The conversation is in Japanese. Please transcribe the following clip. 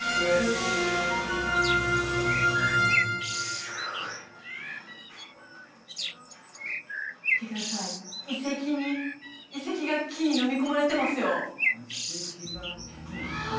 すごい見てください遺跡に遺跡が木に飲み込まれてますよ